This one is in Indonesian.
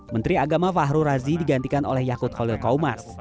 menteri agama fahru razi digantikan oleh yakut khalil kaumas